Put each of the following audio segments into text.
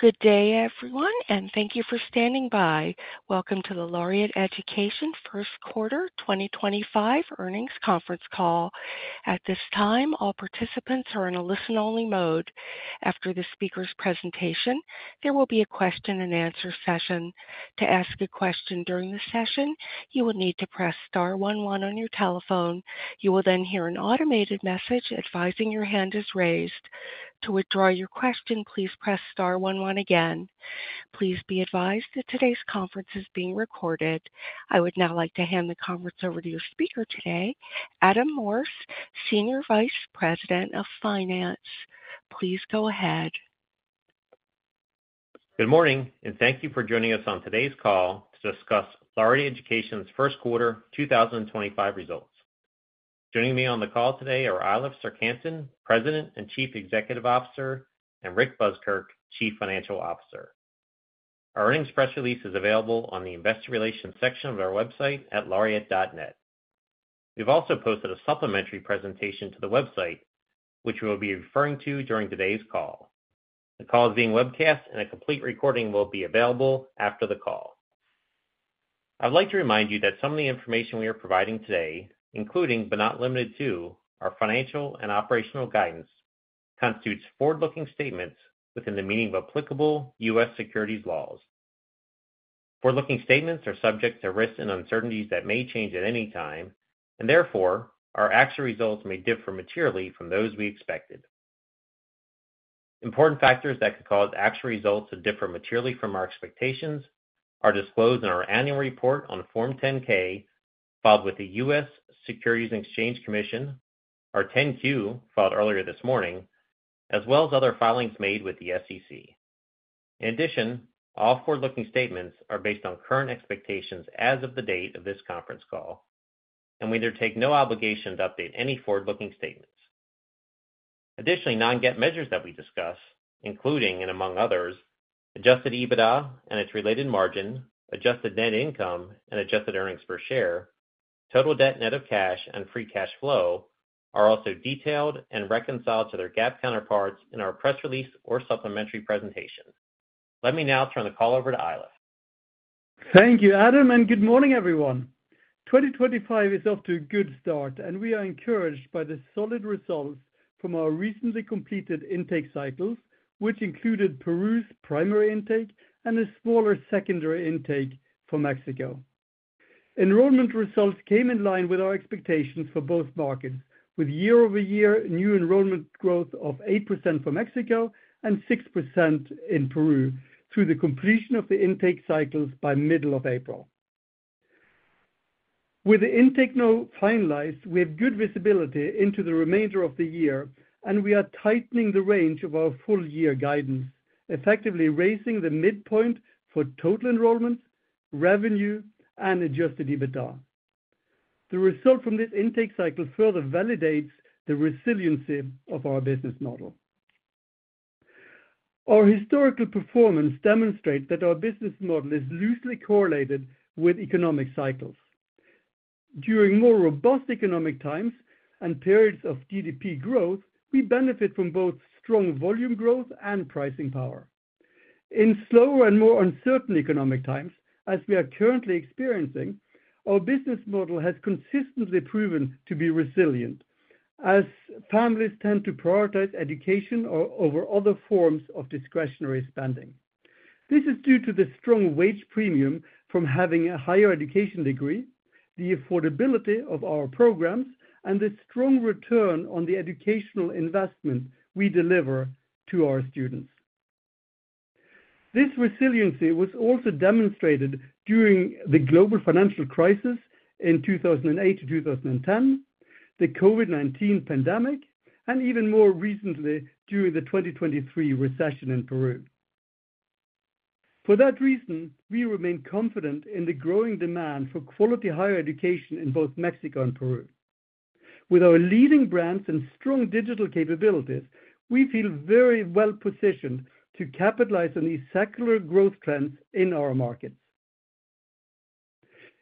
Good day, everyone, and thank you for standing by. Welcome to the Laureate Education First Quarter 2025 Earnings Conference Call. At this time, all participants are in a listen-only mode. After the speaker's presentation, there will be a question-and-answer session. To ask a question during the session, you will need to press star one one on your telephone. You will then hear an automated message advising your hand is raised. To withdraw your question, please press star one one again. Please be advised that today's conference is being recorded. I would now like to hand the conference over to your speaker today, Adam Morse, Senior Vice President of Finance. Please go ahead. Good morning, and thank you for joining us on today's call to discuss Laureate Education's first quarter 2025 results. Joining me on the call today are Eilif Serck-Hanssen, President and Chief Executive Officer, and Rick Buskirk, Chief Financial Officer. Our earnings press release is available on the Investor Relations section of our website at laureate.net. We've also posted a supplementary presentation to the website, which we will be referring to during today's call. The call is being webcast, and a complete recording will be available after the call. I'd like to remind you that some of the information we are providing today, including but not limited to, our financial and operational guidance, constitutes forward-looking statements within the meaning of applicable U.S. securities laws. Forward-looking statements are subject to risks and uncertainties that may change at any time, and therefore, our actual results may differ materially from those we expected. Important factors that could cause actual results to differ materially from our expectations are disclosed in our annual report on Form 10-K filed with the U.S. Securities and Exchange Commission, our 10-Q filed earlier this morning, as well as other filings made with the SEC. In addition, all forward-looking statements are based on current expectations as of the date of this conference call, and we undertake no obligation to update any forward-looking statements. Additionally, non-GAAP measures that we discuss, including and among others, adjusted EBITDA and its related margin, adjusted net income, and adjusted earnings per share, total debt net of cash, and free cash flow, are also detailed and reconciled to their GAAP counterparts in our press release or supplementary presentation. Let me now turn the call over to Eilif. Thank you, Adam, and good morning, everyone. 2025 is off to a good start, and we are encouraged by the solid results from our recently completed intake cycles, which included Peru's primary intake and a smaller secondary intake for Mexico. Enrollment results came in line with our expectations for both markets, with year-over-year new enrollment growth of 8% for Mexico and 6% in Peru through the completion of the intake cycles by middle of April. With the intake now finalized, we have good visibility into the remainder of the year, and we are tightening the range of our full-year guidance, effectively raising the midpoint for total enrollment, revenue, and adjusted EBITDA. The result from this intake cycle further validates the resiliency of our business model. Our historical performance demonstrates that our business model is loosely correlated with economic cycles. During more robust economic times and periods of GDP growth, we benefit from both strong volume growth and pricing power. In slower and more uncertain economic times, as we are currently experiencing, our business model has consistently proven to be resilient, as families tend to prioritize education over other forms of discretionary spending. This is due to the strong wage premium from having a higher education degree, the affordability of our programs, and the strong return on the educational investment we deliver to our students. This resiliency was also demonstrated during the global financial crisis in 2008-2010, the COVID-19 pandemic, and even more recently, during the 2023 recession in Peru. For that reason, we remain confident in the growing demand for quality higher education in both Mexico and Peru. With our leading brands and strong digital capabilities, we feel very well positioned to capitalize on these secular growth trends in our markets.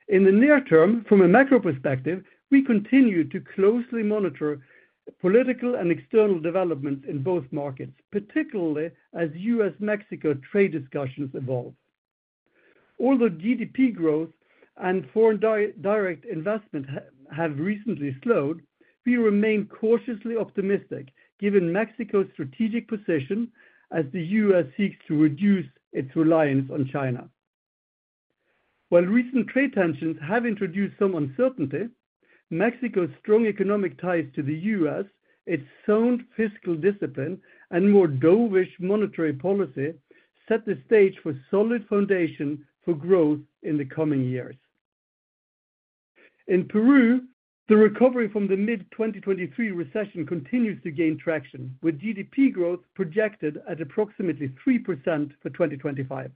In the near term, from a macro perspective, we continue to closely monitor political and external developments in both markets, particularly as U.S.-Mexico trade discussions evolve. Although GDP growth and foreign direct investment have recently slowed, we remain cautiously optimistic given Mexico's strategic position as the U.S. seeks to reduce its reliance on China. While recent trade tensions have introduced some uncertainty, Mexico's strong economic ties to the U.S., its sound fiscal discipline, and more dovish monetary policy set the stage for a solid foundation for growth in the coming years. In Peru, the recovery from the mid-2023 recession continues to gain traction, with GDP growth projected at approximately 3% for 2025.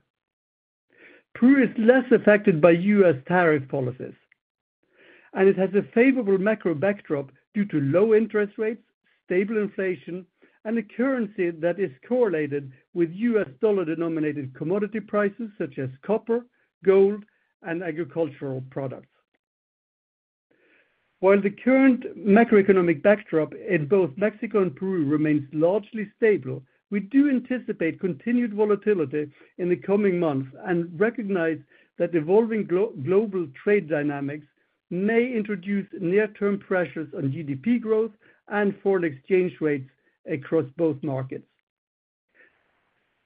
Peru is less affected by U.S. tariff policies, and it has a favorable macro backdrop due to low interest rates, stable inflation, and a currency that is correlated with U.S. dollar-denominated commodity prices such as copper, gold, and agricultural products. While the current macroeconomic backdrop in both Mexico and Peru remains largely stable, we do anticipate continued volatility in the coming months and recognize that evolving global trade dynamics may introduce near-term pressures on GDP growth and foreign exchange rates across both markets.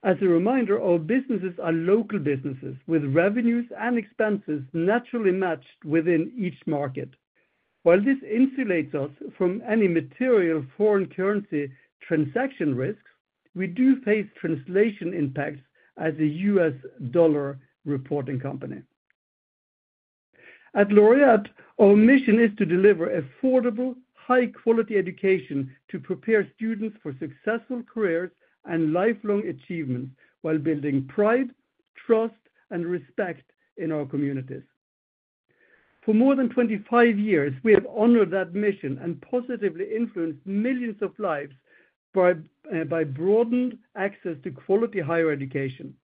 As a reminder, our businesses are local businesses, with revenues and expenses naturally matched within each market. While this insulates us from any material foreign currency transaction risks, we do face translation impacts as a U.S. dollar reporting company. At Laureate, our mission is to deliver affordable, high-quality education to prepare students for successful careers and lifelong achievements while building pride, trust, and respect in our communities. For more than 25 years, we have honored that mission and positively influenced millions of lives by broadening access to quality higher education.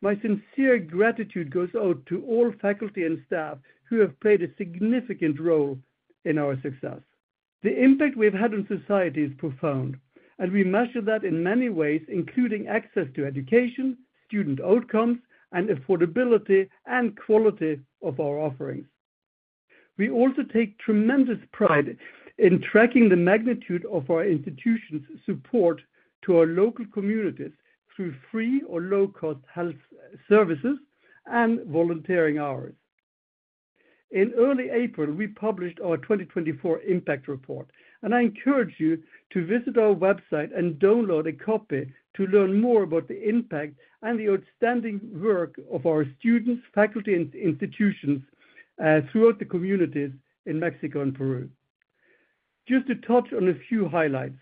My sincere gratitude goes out to all faculty and staff who have played a significant role in our success. The impact we have had on society is profound, and we measure that in many ways, including access to education, student outcomes, and affordability and quality of our offerings. We also take tremendous pride in tracking the magnitude of our institution's support to our local communities through free or low-cost health services and volunteering hours. In early April, we published our 2024 impact report, and I encourage you to visit our website and download a copy to learn more about the impact and the outstanding work of our students, faculty, and institutions throughout the communities in Mexico and Peru. Just to touch on a few highlights,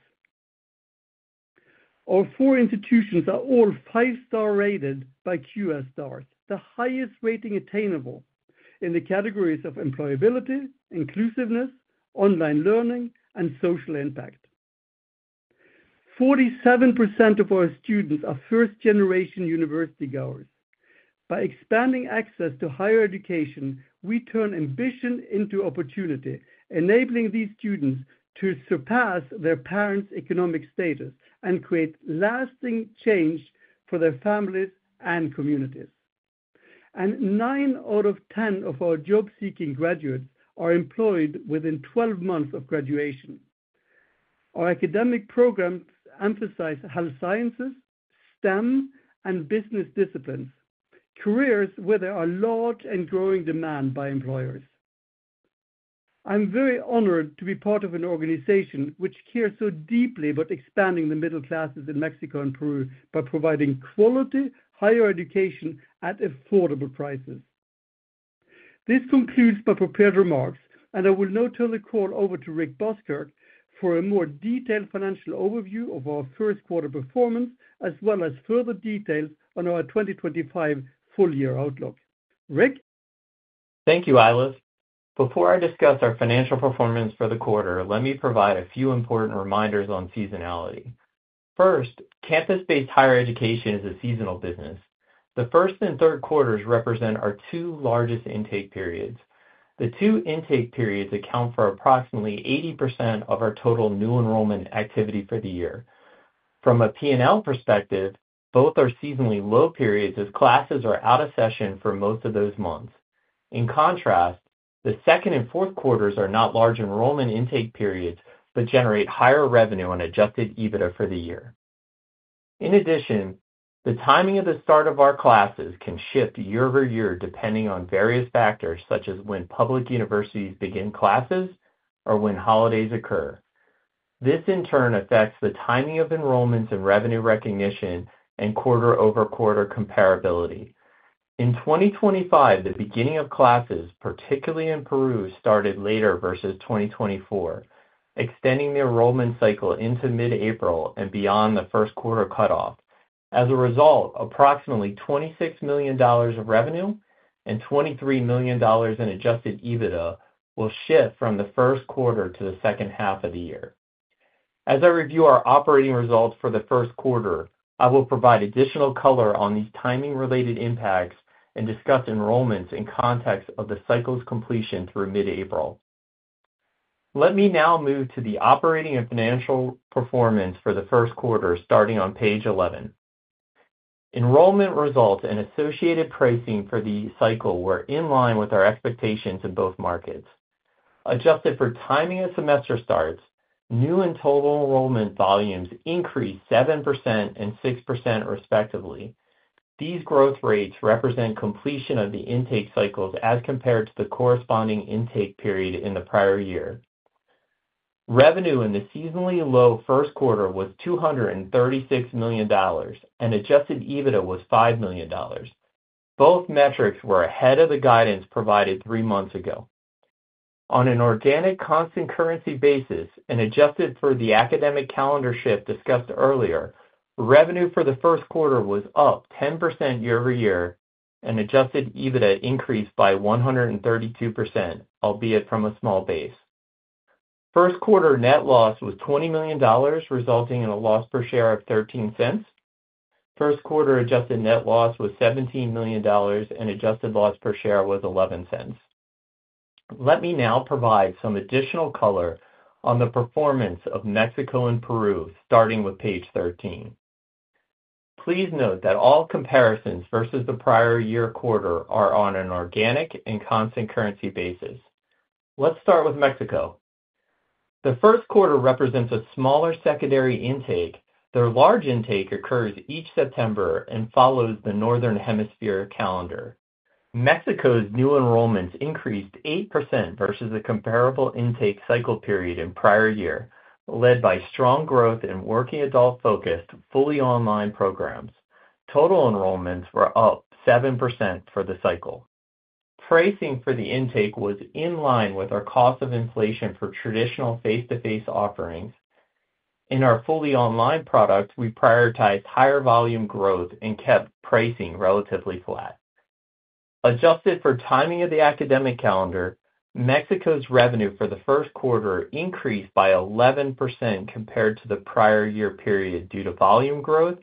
our four institutions are all five-star rated by QS Stars, the highest rating attainable in the categories of employability, inclusiveness, online learning, and social impact. 47% of our students are first-generation university goers. By expanding access to higher education, we turn ambition into opportunity, enabling these students to surpass their parents' economic status and create lasting change for their families and communities. Nine out of 10 of our job-seeking graduates are employed within 12 months of graduation. Our academic programs emphasize health sciences, STEM, and business disciplines, careers where there are large and growing demand by employers. I'm very honored to be part of an organization which cares so deeply about expanding the middle classes in Mexico and Peru by providing quality higher education at affordable prices. This concludes my prepared remarks, and I will now turn the call over to Rick Buskirk for a more detailed financial overview of our first quarter performance, as well as further details on our 2025 full-year outlook. Rick? Thank you, Eilif. Before I discuss our financial performance for the quarter, let me provide a few important reminders on seasonality. First, campus-based higher education is a seasonal business. The first and third quarters represent our two largest intake periods. The two intake periods account for approximately 80% of our total new enrollment activity for the year. From a P&L perspective, both are seasonally low periods as classes are out of session for most of those months. In contrast, the second and fourth quarters are not large enrollment intake periods but generate higher revenue on adjusted EBITDA for the year. In addition, the timing of the start of our classes can shift year over year depending on various factors such as when public universities begin classes or when holidays occur. This, in turn, affects the timing of enrollments and revenue recognition and quarter-over-quarter comparability. In 2025, the beginning of classes, particularly in Peru, started later versus 2024, extending the enrollment cycle into mid-April and beyond the first quarter cutoff. As a result, approximately $26 million of revenue and $23 million in adjusted EBITDA will shift from the first quarter to the second half of the year. As I review our operating results for the first quarter, I will provide additional color on these timing-related impacts and discuss enrollments in context of the cycle's completion through mid-April. Let me now move to the operating and financial performance for the first quarter, starting on page 11. Enrollment results and associated pricing for the cycle were in line with our expectations in both markets. Adjusted for timing of semester starts, new and total enrollment volumes increased 7% and 6%, respectively. These growth rates represent completion of the intake cycles as compared to the corresponding intake period in the prior year. Revenue in the seasonally low first quarter was $236 million, and adjusted EBITDA was $5 million. Both metrics were ahead of the guidance provided three months ago. On an organic constant currency basis, and adjusted for the academic calendar shift discussed earlier, revenue for the first quarter was up 10% year over year, and adjusted EBITDA increased by 132%, albeit from a small base. First quarter net loss was $20 million, resulting in a loss per share of $0.13. First quarter adjusted net loss was $17 million, and adjusted loss per share was $0.11. Let me now provide some additional color on the performance of Mexico and Peru, starting with page 13. Please note that all comparisons versus the prior year quarter are on an organic and constant currency basis. Let's start with Mexico. The first quarter represents a smaller secondary intake. The large intake occurs each September and follows the northern hemisphere calendar. Mexico's new enrollments increased 8% versus the comparable intake cycle period in prior year, led by strong growth and working adult-focused fully online programs. Total enrollments were up 7% for the cycle. Pricing for the intake was in line with our cost of inflation for traditional face-to-face offerings. In our fully online products, we prioritized higher volume growth and kept pricing relatively flat. Adjusted for timing of the academic calendar, Mexico's revenue for the first quarter increased by 11% compared to the prior year period due to volume growth,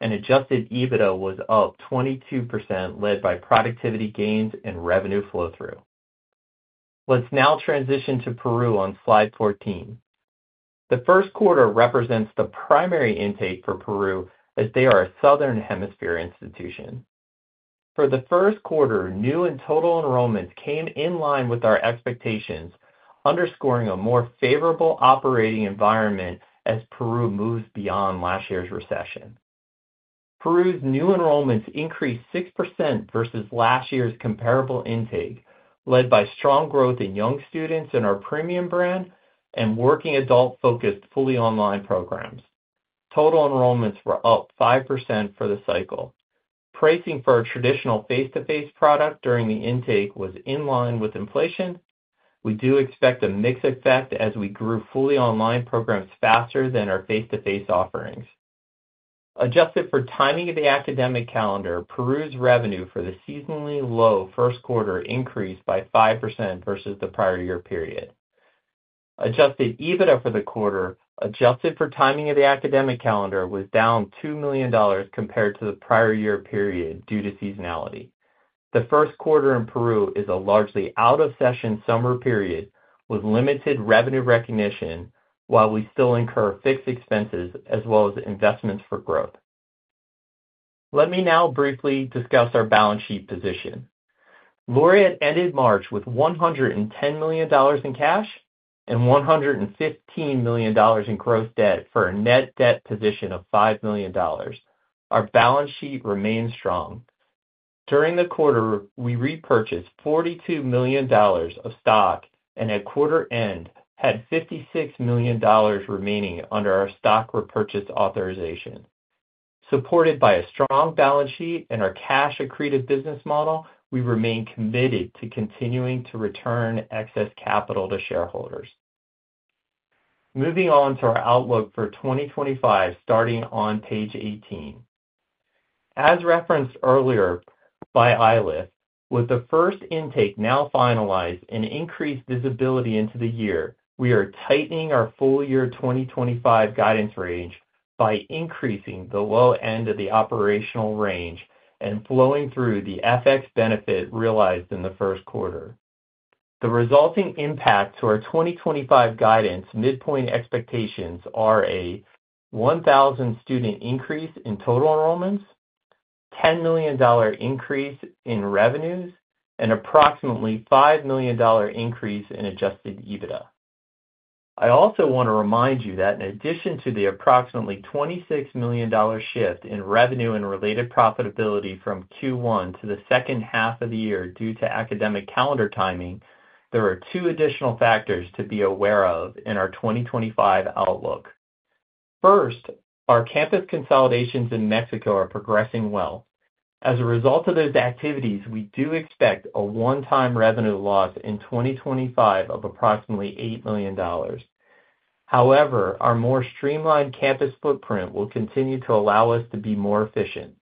and adjusted EBITDA was up 22%, led by productivity gains and revenue flow-through. Let's now transition to Peru on slide 14. The first quarter represents the primary intake for Peru as they are a southern hemisphere institution. For the first quarter, new and total enrollments came in line with our expectations, underscoring a more favorable operating environment as Peru moves beyond last year's recession. Peru's new enrollments increased 6% versus last year's comparable intake, led by strong growth in young students in our premium brand and working adult-focused fully online programs. Total enrollments were up 5% for the cycle. Pricing for our traditional face-to-face product during the intake was in line with inflation. We do expect a mixed effect as we grew fully online programs faster than our face-to-face offerings. Adjusted for timing of the academic calendar, Peru's revenue for the seasonally low first quarter increased by 5% versus the prior year period. Adjusted EBITDA for the quarter, adjusted for timing of the academic calendar, was down $2 million compared to the prior year period due to seasonality. The first quarter in Peru is a largely out-of-session summer period with limited revenue recognition, while we still incur fixed expenses as well as investments for growth. Let me now briefly discuss our balance sheet position. Laureate ended March with $110 million in cash and $115 million in gross debt for a net debt position of $5 million. Our balance sheet remains strong. During the quarter, we repurchased $42 million of stock and at quarter end had $56 million remaining under our stock repurchase authorization. Supported by a strong balance sheet and our cash-accretive business model, we remain committed to continuing to return excess capital to shareholders. Moving on to our outlook for 2025, starting on page 18. As referenced earlier by Eilif, with the first intake now finalized and increased visibility into the year, we are tightening our full year 2025 guidance range by increasing the low end of the operational range and flowing through the FX benefit realized in the first quarter. The resulting impact to our 2025 guidance midpoint expectations are a 1,000 student increase in total enrollments, $10 million increase in revenues, and approximately $5 million increase in adjusted EBITDA. I also want to remind you that in addition to the approximately $26 million shift in revenue and related profitability from Q1 to the second half of the year due to academic calendar timing, there are two additional factors to be aware of in our 2025 outlook. First, our campus consolidations in Mexico are progressing well. As a result of those activities, we do expect a one-time revenue loss in 2025 of approximately $8 million. However, our more streamlined campus footprint will continue to allow us to be more efficient.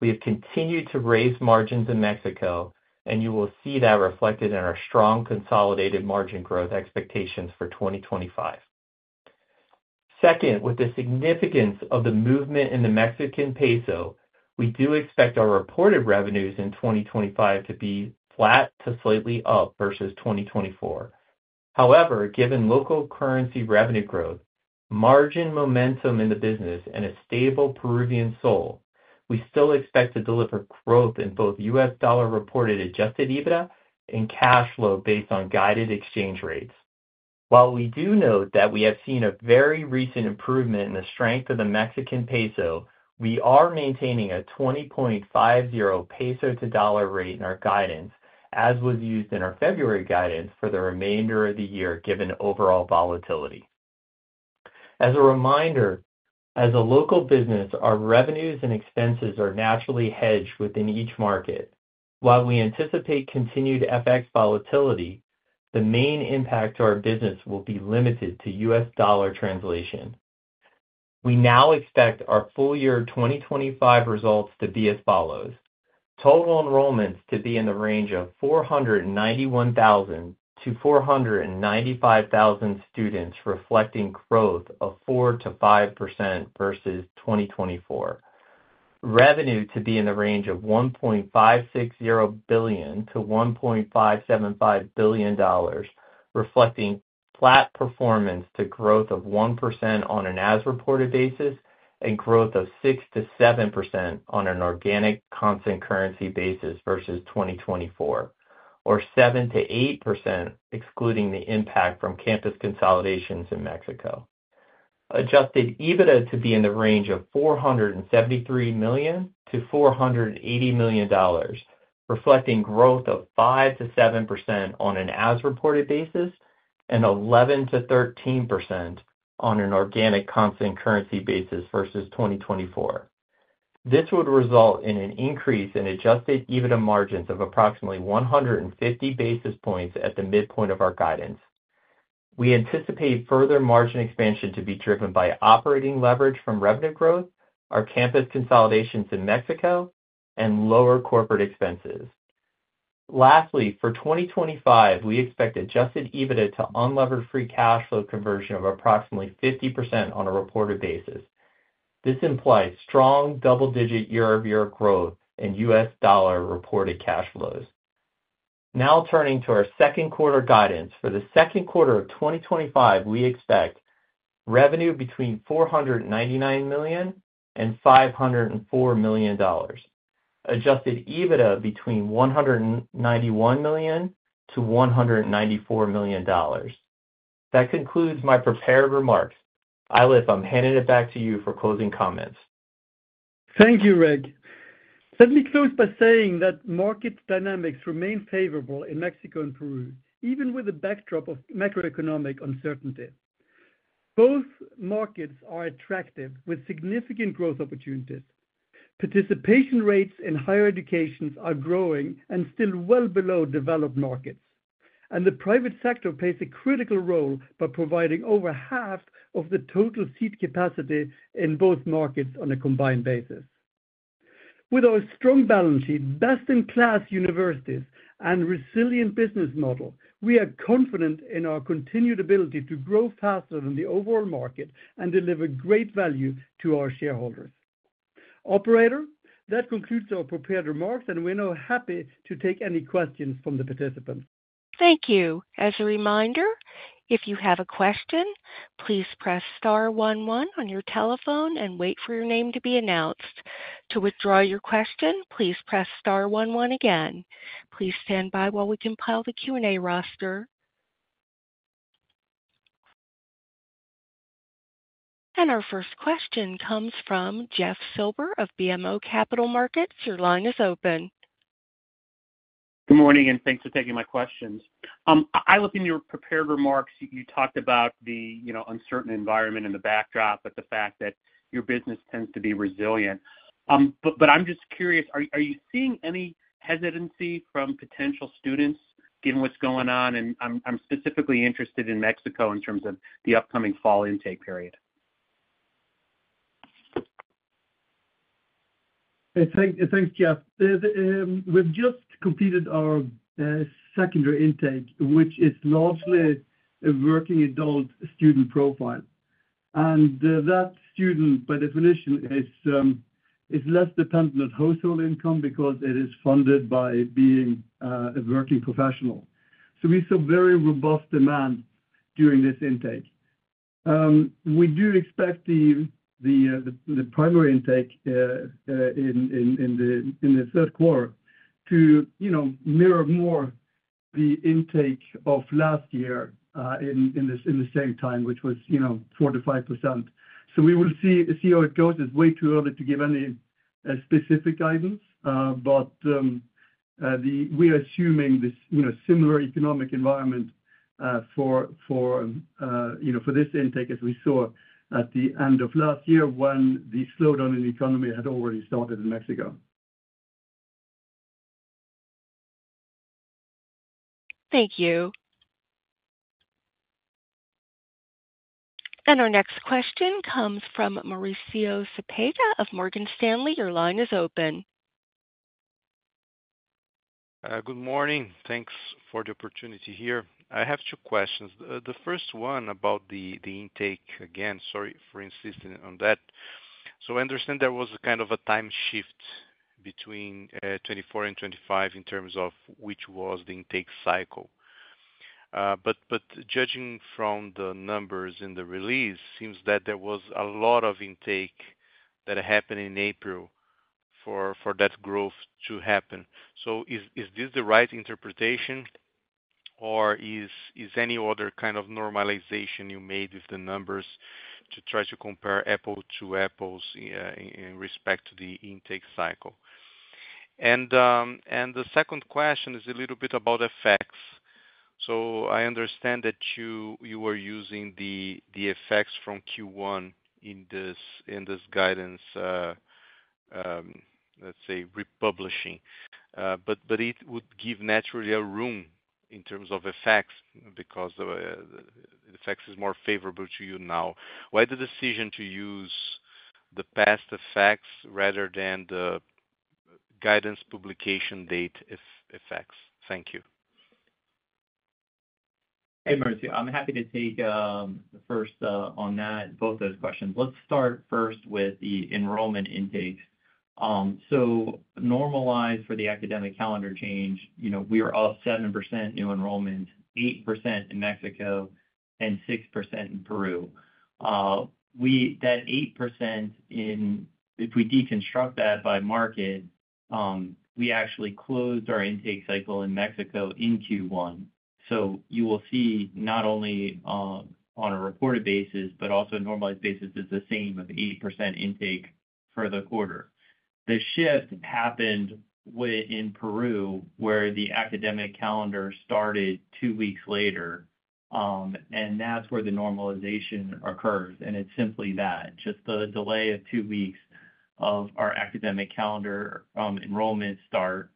We have continued to raise margins in Mexico, and you will see that reflected in our strong consolidated margin growth expectations for 2025. Second, with the significance of the movement in the Mexican peso, we do expect our reported revenues in 2025 to be flat to slightly up versus 2024. However, given local currency revenue growth, margin momentum in the business, and a stable Peruvian sol, we still expect to deliver growth in both U.S. dollar reported adjusted EBITDA and cash flow based on guided exchange rates. While we do note that we have seen a very recent improvement in the strength of the Mexican peso, we are maintaining a 20.50 peso to $1 rate in our guidance, as was used in our February guidance for the remainder of the year given overall volatility. As a reminder, as a local business, our revenues and expenses are naturally hedged within each market. While we anticipate continued FX volatility, the main impact to our business will be limited to U.S. dollar translation. We now expect our full year 2025 results to be as follows: total enrollments to be in the range of 491,000-495,000 students, reflecting growth of 4%-5% versus 2024. Revenue to be in the range of $1.560 billion-$1.575 billion, reflecting flat performance to growth of 1% on an as-reported basis and growth of 6%-7% on an organic constant currency basis versus 2024, or 7%-8%, excluding the impact from campus consolidations in Mexico. Adjusted EBITDA to be in the range of $473 million-$480 million, reflecting growth of 5%-7% on an as-reported basis and 11%-13% on an organic constant currency basis versus 2024. This would result in an increase in adjusted EBITDA margins of approximately 150 basis points at the midpoint of our guidance. We anticipate further margin expansion to be driven by operating leverage from revenue growth, our campus consolidations in Mexico, and lower corporate expenses. Lastly, for 2025, we expect adjusted EBITDA to unlevered free cash flow conversion of approximately 50% on a reported basis. This implies strong double-digit year-over-year growth in U.S. dollar reported cash flows. Now turning to our second quarter guidance, for the second quarter of 2025, we expect revenue between $499 million and $504 million, adjusted EBITDA between $191 million-$194 million. That concludes my prepared remarks. Eilif, I'm handing it back to you for closing comments. Thank you, Rick. Let me close by saying that market dynamics remain favorable in Mexico and Peru, even with a backdrop of macroeconomic uncertainty. Both markets are attractive with significant growth opportunities. Participation rates in higher education are growing and still well below developed markets, and the private sector plays a critical role by providing over half of the total seat capacity in both markets on a combined basis. With our strong balance sheet, best-in-class universities, and resilient business model, we are confident in our continued ability to grow faster than the overall market and deliver great value to our shareholders. Operator, that concludes our prepared remarks, and we are now happy to take any questions from the participants. Thank you. As a reminder, if you have a question, please press star one one on your telephone and wait for your name to be announced. To withdraw your question, please press star one one again. Please stand by while we compile the Q&A roster. Our first question comes from Jeff Silber of BMO Capital Markets. Your line is open. Good morning and thanks for taking my questions. Eilif, in your prepared remarks, you talked about the uncertain environment in the backdrop, but the fact that your business tends to be resilient. I'm just curious, are you seeing any hesitancy from potential students given what's going on? I'm specifically interested in Mexico in terms of the upcoming fall intake period. Thanks, Jeff. We've just completed our secondary intake, which is largely a working adult student profile. That student, by definition, is less dependent on household income because it is funded by being a working professional. We saw very robust demand during this intake. We do expect the primary intake in the third quarter to mirror more the intake of last year in the same time, which was 4%-5%. We will see how it goes. It's way too early to give any specific guidance, but we are assuming this similar economic environment for this intake as we saw at the end of last year when the slowdown in the economy had already started in Mexico. Thank you. Our next question comes from Mauricio Cepeda of Morgan Stanley. Your line is open. Good morning. Thanks for the opportunity here. I have two questions. The first one about the intake, again, sorry for insisting on that. I understand there was kind of a time shift between 2024 and 2025 in terms of which was the intake cycle. Judging from the numbers in the release, it seems that there was a lot of intake that happened in April for that growth to happen. Is this the right interpretation, or is any other kind of normalization you made with the numbers to try to compare apples to apples in respect to the intake cycle? The second question is a little bit about effects. I understand that you were using the effects from Q1 in this guidance, let's say, republishing. It would give naturally a room in terms of effects because the effects is more favorable to you now. Why the decision to use the past effects rather than the guidance publication date effects? Thank you. Hey, Mauricio. I'm happy to take the first on both those questions. Let's start first with the enrollment intakes. Normalized for the academic calendar change, we are up 7% new enrollment, 8% in Mexico, and 6% in Peru. That 8%, if we deconstruct that by market, we actually closed our intake cycle in Mexico in Q1. You will see not only on a reported basis, but also normalized basis is the same of 8% intake for the quarter. The shift happened in Peru where the academic calendar started two weeks later, and that's where the normalization occurs. It is simply that, just the delay of two weeks of our academic calendar enrollment start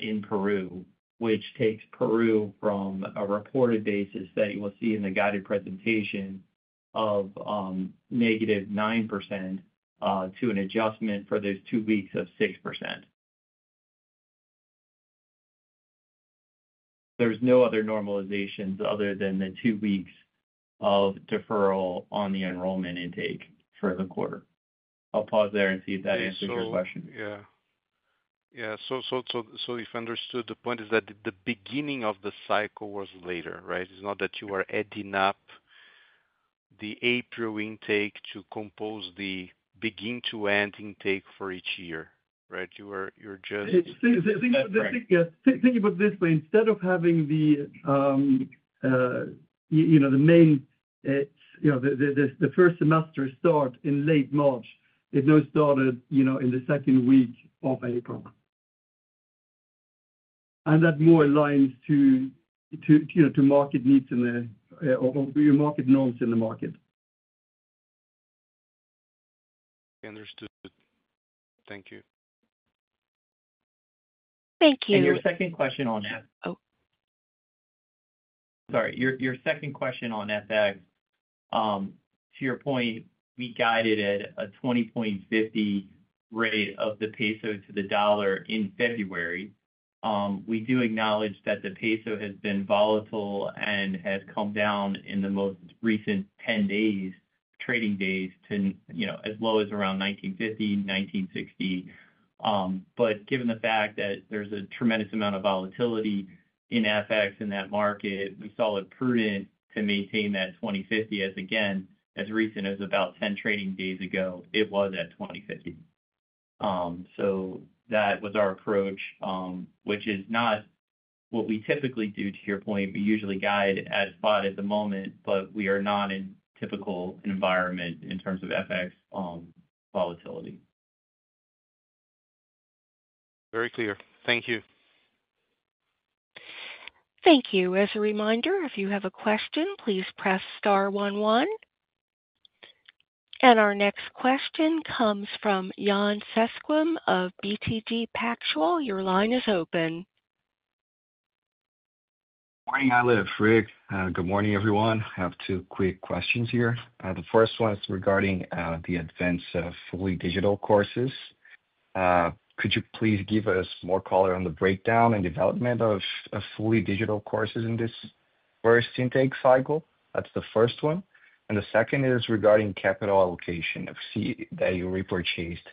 in Peru, which takes Peru from a reported basis that you will see in the guided presentation of -9% to an adjustment for those two weeks of 6%. There is no other normalizations other than the two weeks of deferral on the enrollment intake for the quarter. I'll pause there and see if that answers your question. Yeah. Yeah. If I understood, the point is that the beginning of the cycle was later, right? It is not that you are adding up the April intake to compose the begin-to-end intake for each year, right? You are just— Yeah. Think about it this way. Instead of having the main, the first semester start in late March, it now started in the second week of April. That more aligns to market needs or market norms in the market. Okay. Understood. Thank you. Thank you. Your second question on FX. Sorry. Your second question on FX, to your point, we guided at a 20.50 rate of the peso to the dollar in February. We do acknowledge that the peso has been volatile and has come down in the most recent 10 trading days to as low as around 19.50-19.60. Given the fact that there is a tremendous amount of volatility in FX in that market, we saw it prudent to maintain that 20.50 as, again, as recent as about 10 trading days ago, it was at 20.50. That was our approach, which is not what we typically do to your point. We usually guide at spot at the moment, but we are not in a typical environment in terms of FX volatility. Very clear. Thank you. Thank you. As a reminder, if you have a question, please press star one one. Our next question comes from Yan Cesquim of BTG Pactual. Your line is open. Good morning, Eilif. Rick, good morning, everyone. I have two quick questions here. The first one is regarding the advance of fully digital courses. Could you please give us more color on the breakdown and development of fully digital courses in this first intake cycle? That is the first one. The second is regarding capital allocation. I see that you repurchased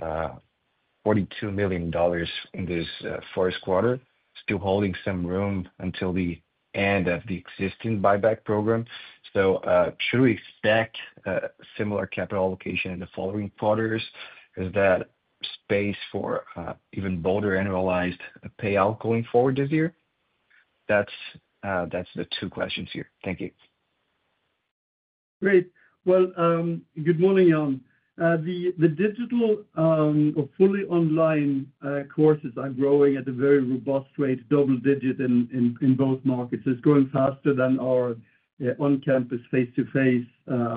$42 million in this first quarter, still holding some room until the end of the existing buyback program. Should we expect similar capital allocation in the following quarters? Is that space for even bolder annualized payout going forward this year? That is the two questions here. Thank you. Great. Good morning, Yan. The digital or fully online courses are growing at a very robust rate, double-digit in both markets. It is growing faster than our on-campus face-to-face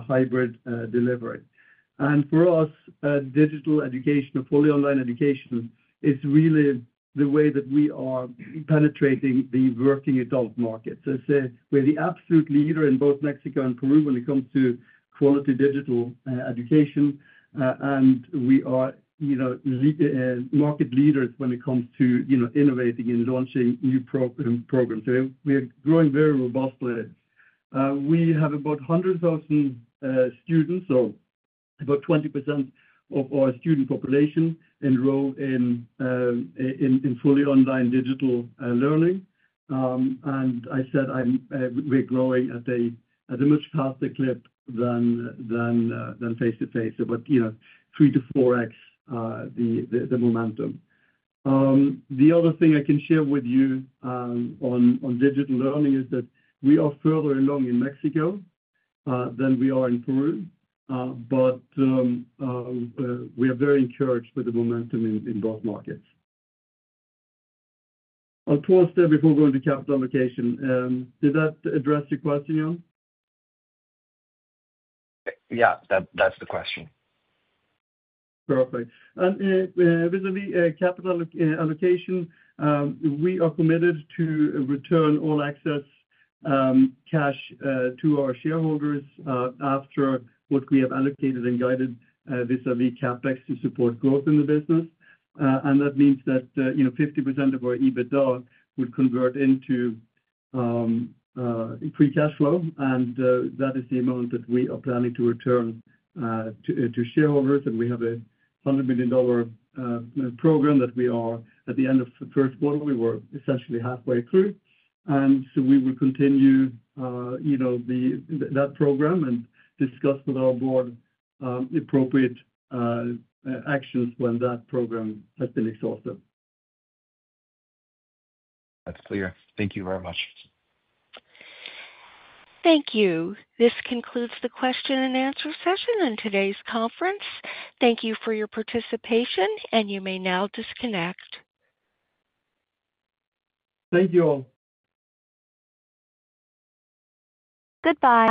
hybrid delivery. For us, digital education, fully online education is really the way that we are penetrating the working adult market. We are the absolute leader in both Mexico and Peru when it comes to quality digital education. We are market leaders when it comes to innovating and launching new programs. We are growing very robustly. We have about 100,000 students, or about 20% of our student population, enroll in fully online digital learning. I said we are growing at a much faster clip than face-to-face, about 3x-4x the momentum. The other thing I can share with you on digital learning is that we are further along in Mexico than we are in Peru, but we are very encouraged with the momentum in both markets. I'll pause there before we go into capital allocation. Did that address your question, Yan? Yeah. That's the question. Perfect. Vis-à-vis capital allocation, we are committed to return all excess cash to our shareholders after what we have allocated and guided vis-à-vis CapEx to support growth in the business. That means that 50% of our EBITDA would convert into free cash flow. That is the amount that we are planning to return to shareholders. We have a $100 million program that we are at the end of the first quarter. We were essentially halfway through. We will continue that program and discuss with our board appropriate actions when that program has been exhausted. That's clear. Thank you very much. Thank you. This concludes the question and answer session in today's conference. Thank you for your participation, and you may now disconnect. Thank you all. Goodbye.